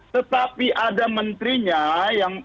tetapi ada menterinya yang